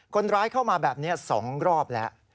คนร้ายเข้ามาแบบนี้๒รอบแล้ว